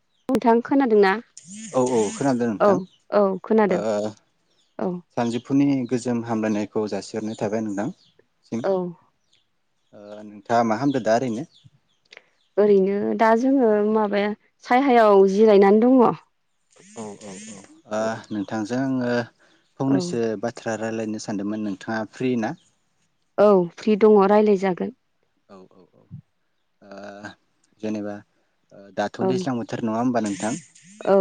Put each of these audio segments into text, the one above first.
[unintelligible] औ -औ खोनादों औ नोंथां औ खोनादों औ सानजौफुनि गोजोन हामलायनायखौ जासिहरनाय थाबाय नोंथां औ नोंथाङा मा खामदो दा ओरैनो ओरैनो दा जोङो माबाया सायहायाव जिरायनानै दङ औ -औ- औ ओ नोंथां जोङो औ फंनैसो बा थ्रा रायज्लायनो सानदोंमोन नोंथाङा फ्रि ना? औ फ्रि दङ रायलायजागोन। औ औ औ जेनेबा दाथ' औ दैज्लां बोथोर नङा होमबा? थां औ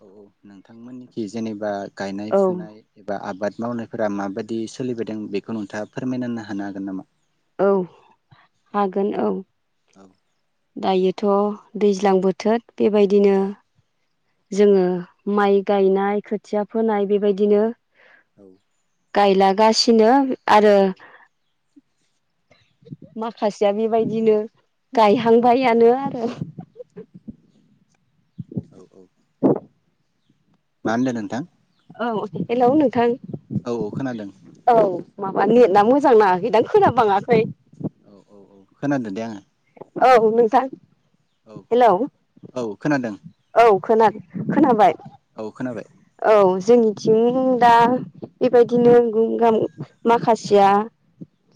औ औ नोंथांमोननिखि जेनेबा गायनाय औ फुनाय एबा आबाद मावनायफोरा माबायदि सोलिबायदों बेखौ नोंथाङा फोरमायनानो हानो हागोन नामा? औ हागोन औ। औ दायोथ' दैज्लां बोथोर बेबायदिनो जोङो माइ गायनाय खोथिया फोनाय बेबायदिनो औ गायलागासिनो आरो माखासेया बेबायदिनो गायहांबायानो आरो। औ औ मा होनदो नोंथां? औ हेलौ नोंथां? औ औ खोनादों औ माबा नेटाआ मोजां नाङाखैदां खोना बाङाखै। खोनादों दे आङो। औ नोंथां औ हेलौ औ खोनादों। औ खोना खोनाबाय औ खोनाबाय औ जोंनिथिं दा बेबायदिनो गुम गाम माखासेया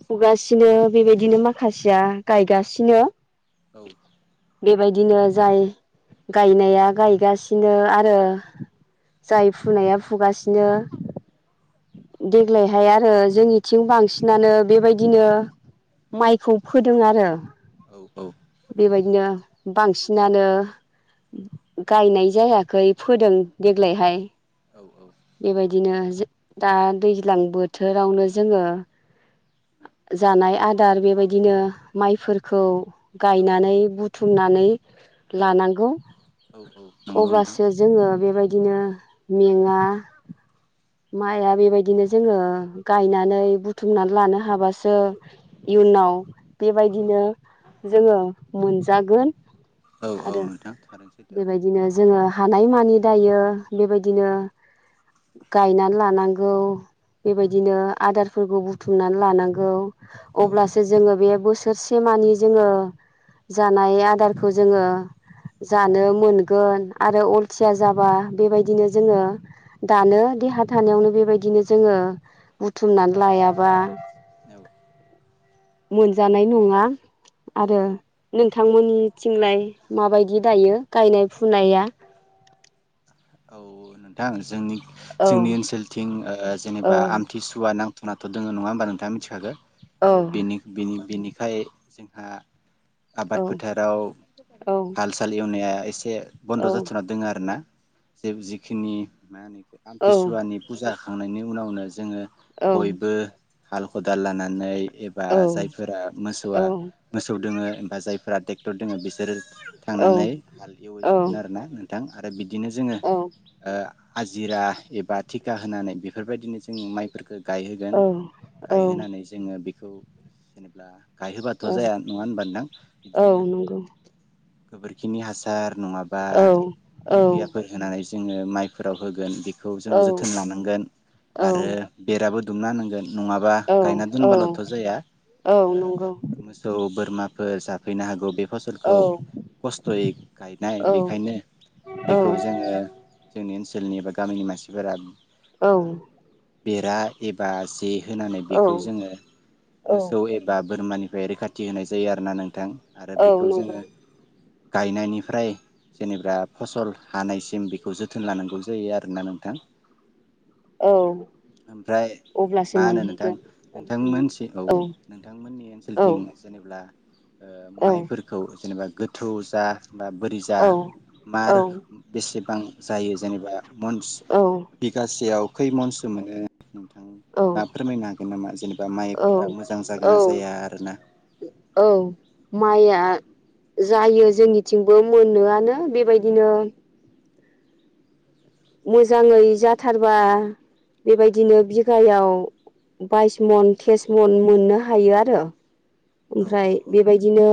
फुगासिनो बेबायदिनो माखासेया गायगासिनो। औ दिनो जाय गायनाया गायगासिनो आरो जाय फुनाया फुगासिनो। देग्लायहाय आरो जोंनिथिं बांसिनानो बेबायदिनो माइखौ फोदों आरो औ औ बेबायदिनो बांसिनानो गायनाय जायाखै फोदों देग्लायहाय बेबायदिनो दा दैज्लां बोथोरावनो जोङो जानाय आदार बेबायदिनो माइफोरखौ गायनानै थुमनानै औ लानांगौ। औ औ नंगौ नोंथां अब्लासो जोङो बेबाय दिनो मेङा। माइआ बेबायदिनो जोङो गायनानै बुथुमनानै लानो हाबासो इयुनाव बेबायदिनो जोङो मोनजागोन। औ औ आरो नोंथां थारैनो सैथो औ बेबायदिनो जोङो हानाय मानि दायो बेबायदिनो गायनानै लानांगौ बेबायदिनो आदारफोरखौ बुथुमनानै लानांगौ ओह औ अब्लासो जोङो बे बोसोरसे मानि जोङो जानाय आदारखौ जोङो जानो मोनगोन आरो अलसिया जाबा बेबायदिनो जोङो दानो देहा थानायावनो बेबायदिनो जोङो बुथुमनानै लायाबा औ मोनजानाय नङा औ आरो नों नोंथांमोननिथिंलाय माबायदि दायो गायनाय फुनाया औ नोंथां जोंनि औ जोंनि ओनसोलथिंओ औ जेनेबा आमथिसुवा नांग नाथ' दङ नङा होनोबा नोंथाङा मिथिखागो औ बेनि बेनि बेनि खाय जोंहा आबाद औ फोथाराव औ हाल साल एवनाया एसे औ बन्द' जाथारना दोङो आरो ना जे जिखिनि ओ आमथिसुवानि फुजा थांनायनि उनावनो जोङो औ बयबो हाल खदाल लानानै एबा औ जायफोरा औ मोसौआ मोसौ दोङो बा जायफोरा ट्रेक्टर दङ बिसोरो थांनानै हाल एवैजोबगोन आरोना नोंथां आरो बिदिनो जों ओ औ हाजिरा एबा थिखा होनानै बेफोरबायदिनो जों माइफोरखो गायहोगोन औ गायहोनानै जोङो बि खौ जेनेब्ला गायहोबाथ' औ जाया नङा होनबा नोथां बिदिनो औ नंगौ गोबोरखिनि हासार नङाबा औ औ इउरियाफोर होनानै जोङो माइफोराव होगोन बि खौ जों जोथोन लानांगोन औ आरो नंगौ बेराबो दुमना होनांगोन नङाबा औ गायना औ दोनबाल'थ' जाया ओ मोसौ, बोरमा फोर जाफैनो हागौ बे फसलखौ खस्थ'यै गायनाय बेखायनो बेखौ जोंनि ओनसोलनि एबा गामिनि मानसिफोरा औ बेरा एबा जे होनानै बेखौ जोङो मोसौ एबा बोरमानि फ्राय रैखाथि होनाय जायो आरोना नोंथां आरो औ बेखौ नंगौ जोङो गायनायनिफ्राय जेनेबा फसल हानायसिम बेखौ जोथोन लानांगौ जायो आरोना नोंथां। औ ओमफ्राय अब्लासो मा होनो नोंथां मोनहैगोन नोंथांमोनसि औ नोंथांमोननि औ ओनसोलथिं जेनेबा ओ औ माइफोरखौ जेनेबा गोथौ जा बा बोरि जा मार बेसेबां जायो जेनेबा मनस औ बिगासेयाव खैमनसो मोनो [unintelligible] [unintelligible] जेन औ औ आरोना औ माइआ जायो जोंनिथिंबो मोनोआनो बेबायदिनो मोजाङै जाथारबा बेबायदिनो बिघायाव बाइस मन, त्रिस मन मोननो हायो आरो औ औ ओमफ्राय औ बेबायदिनो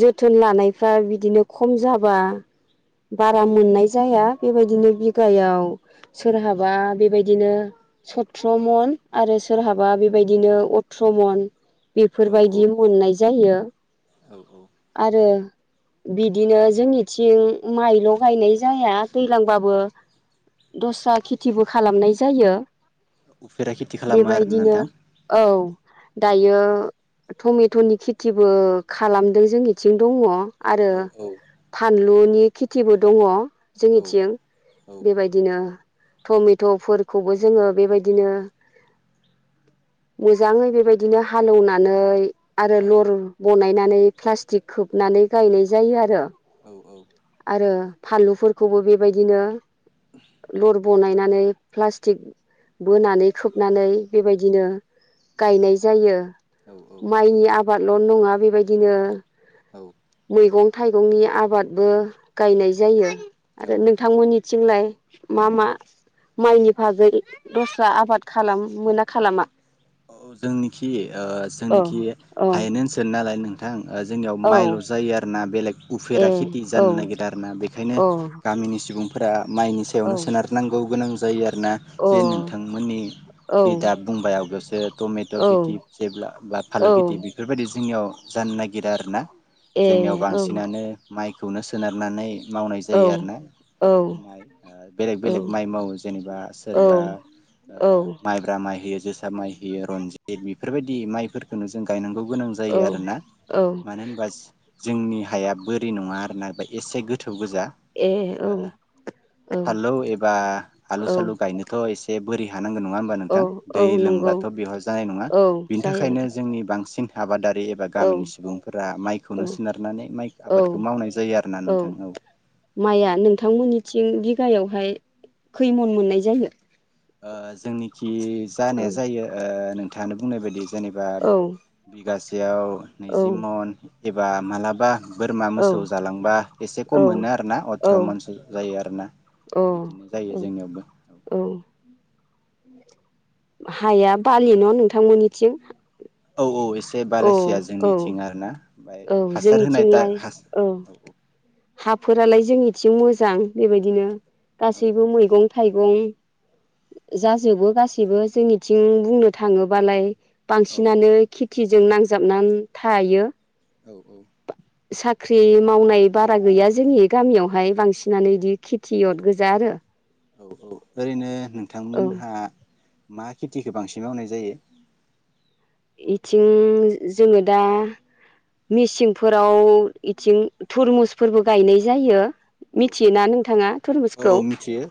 जोथोन लानायफ्रा बिदिनो खम जाबा बारा मोननाय जाया बेबायदिनो बिगायाव सोरहाबा बेबायदिनो सथ्र' मन आरो सोरहाबा बेबायदिनो अथ्र' मन औ बेफोरबायदि मोननाय जायो। औ औ आरो बिदिनो जोंनिथिं माइल' गायनाय जाया दैज्लांबाबो दस्रा खेथिबो खालामनाय जायो। उफेरा खेथि खालामो आरो बेबायदिनो नोंथां औ औ दायो टमेट'नि खेथिबो खालाम। जोंनिं दङ आरो औ जोंनिखि फानलुनि खेथिबो दङ जोंनि प्लास्टिक खोबनानै गायनाय जायो आरो आरो फानलुफोरखौबो बेबायदिनो लर बनायनानै प्लास्टिक बोनानै खोबनानै बेबायदिनो गायनाय जायो माइनि आबादल' नङा बेबायदिनो मैगं थाइगंनि आबादबो गायनाय जायो आरो नोंथांमोननिथिंलाय मा मा माइनि भागै दस्रा आबाद खालाम मोना खालामा? औ जोंनिखि औ जोंनिखि औ हायेन ओनसोल नालाय नोंथां जोंनियाव औ माइल' जायो आरो ना बेलेग उफेरा ए खेथि औ जानो नागिरा आरोना बेखायनो औ गामिनि सुबुं। फोरा। माइनि औ अ सायावनो सोनारनांगौ गोनां। जायो आरो। ना बे नोंथांमोननि औ बे दाब बुंबाय अगस टमेट' खेथि जेब्ला बा फालु औ खेथि बेफोरबायदि। जोंनियाव जानो नागिरा आरो ना। जोंनियाव ए औ बांसिनानो। माइखौनो सोनारनानै। मावनाय औ जायो आरो ना औ माइ ओ बेलेग बेलेग माइ मावो जेनेबा सोरबा औ ओ औ माइब्रा माइ होयो जो टामाय। यो रनजित बेफोरबायदि माइफोरफोरखौनो जों गायनांगौ। गोनां जायो आरोना औ मानो होनबा ज जोंनि हाया बोरै नङा आरोना ब एसे गोथौ। थोब गोजा ए ओ औ फाललौ एबा आलु औ सालु गायनोथ' एसे। बे बोरि। हानांगौ नङा होमबा औ नोंथां औ दै लोमबा। नंगौ थ' बेह जाय नङा औ बिनि जायो थाखायनो जोंनि बांसिन। आबादारि। बे एबा औ गामिनि सुबुंफोरा माइखौनो औ सोनारनानै माइ औ आबादखौ मावनाय जायो आरोना नोंथां औ। थिं बिगायावहाय खैमन मोननाय जायो। ओ जोंनिखि औ जानाया जायो ओ। नोंथाङानो बुंनाय बायदि। जेनेबा औ बिगास। देयाव। औ नैजिमन। एबा मालाबा। बोरमा औ मोसौ जालांबा एसे खम औ मोनो आरोना औ अथ्र' मनस' जायो आरोना औ बिदिनो औ जायो जोंनियावबो औ। हाया बालि न' नोंथांमोननिथिं! औ औ एसे औ बलासिया औ जोंनिथिं आरोना। ओमफ्राय औ हासार होनाय दा जोंनिथिंलाय हा औ। हाफोरालाय जोंनिथिं मोजां बेबायदिनो। औ गासैबो मैगं थाइगं। बुं जाजोबो गासैबो जोंनिथिं बुंनो थाङोबालाय। औ बांसिनानो खि थिजों नांजाबनान थायो। औ औ। साख्रि मावनाय बारा गैया जोंनि गामियावहाय बांसिनानो बिदि खेथियत गोजा आरो। औ औ ओरैनो। नोंथां औ मोनहा। मा खेथिखौ बांसिन मावनाय जायो। इथिं जोङो दा मेसिंफोराव इथिं थुरमुसफोरबो गायनाय जायो। औ औ मिथियोना नों नोंथाङा औ थुरमुसखौ औ मिथियो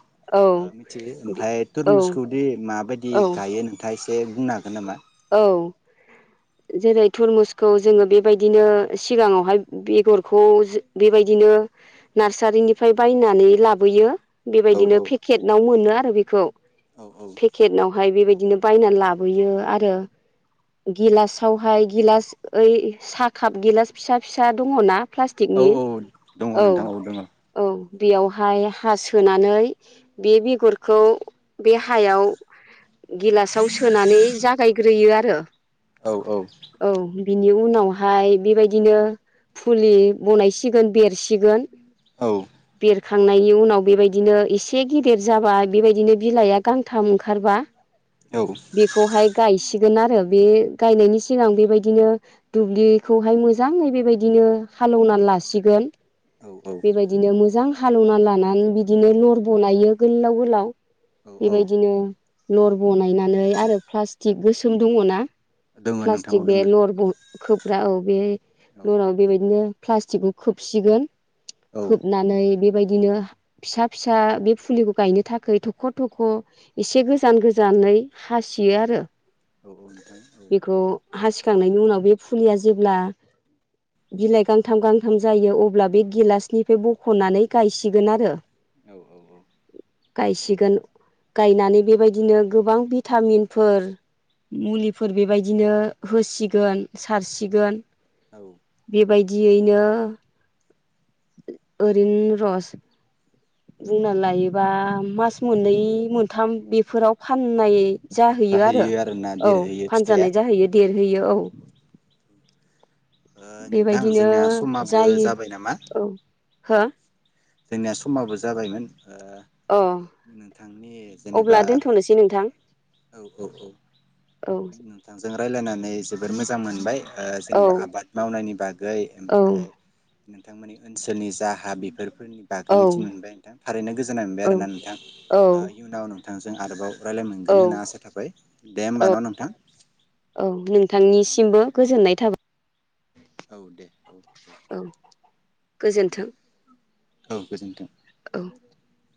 औ ओ मिथियो ओमफ्राय औ तुरमुसखौदि माबायदि औ गायो नोंथाङा एसे। बे बुंनो हागोन नामा। औ जेरै थरमुसखौ जोङो बेबायदिनो सिगाङावहाय बेगरखौ बेबायदिनो नार्सारिनिफ्राय बायनानै लाबोयो। औ बेबायदिनो पेकेटाव मोनो। आरो बेखौ। औ औ पेकेटनाव आावहाय बेबायदिनो। बायनानै लाबोयो आ। गो गिलासावहाय गिलास ओइ साहा काप गिलास फिसा फिसा दङ ना। औ प्लास्टिकनि औ दङ औ नोंथां दङ औ। बेयावहाय हा सोनानै बे बेगरखौ बे हायाव गिलासाव सोनानै जा। बायग्रोयो आरो। औ। बिनि उनावहाय बेबायदिनो फुलि बनायसिगोन बेरसिगोन। औ। बेरखांनायनि उनाव बेबायदिनो एसे गेदेर जाबा बेबायदिनो बिलाइआ गांथाम ओंखारबा। औ। बेखौहाय गायसिगोन आरो बे गायनायनि सिगां बेबायदिनो दुब्लिखौहाय मोजाङै बेबायदिनो हालेवना लासिगोन औ औ बेबायदिनो मोजां हालेवना लानानै बिदिनो लर बनायो गोलाव गोलाव औ औ बेबायदिनो लर बनायनानै आरो प्लास। थिग गोसोम दङ ना। दोङो नोंथां औ प्लास्टिक बे दोङो लर। खोबग्रा औ बे औ लनाव बेबायदिनो प्लास्टिकखौ खोबसिगोन औ खोबनानै बेबायदिनो फिसा फिसा बे फुलिखौ गायनो थाखाय थख' थख' एसे गोजान गोजानै हासियो आरो। औ औ नोंथां औ। बेखौ हासिखांनायनि उनाव बे फुलिया जेब्ला बिलाइ गांथाम गांथाम जायो अब्ला बे गिलासनिफ्राय बखनानै गायसिगोन आरो औ औ गायसिगोन गायनानै बेबायदिनो गोबां भिटामिनफोर। मुलिफोर बेबायदिनो होसिगोन सारसिगोन। औ बेबायदि। दियैनो। ओरै रस। बुंना लायोबा मास मोननै मोनथाम बेफोराव फाननाय। जाहैयो आरो आरोना औ देरहैयो फिथाइया फानजानाय जाहैयो देर होयो औ ओ नोंथां बेबायदिनो जोंनिया समाबो जायो जाबाय नामा औ हो जोंनिया समाबो जाबायमोन ओ अ नोंथांनि अब्ला जेनेबा दोनथ'नोसै नोंथां औ औ औ औ नोंथांजों रायजलायनानै जोबोर मोजां मोनबाय औ जेनेबा आबाद मावनायनि बागै औ ओ नोंथांमोननि ओनसोलनि जा हा बेफोर फोरनि बागै औ मिथिनो मोनबाय नोंथां थारैनो गोजोननाय मोनबाय औ आरो ना नोंथां औ इयुनाव नों बिथांजों आरोबाव रायलाय औ मोनगोन होनना आसा थाबाय दे होमबा ना नोंथां थांनिसिमबो गोजोननाय थाबाय औ दे औ औ गोजोन्थों औ गोजोन्थों [inaudible]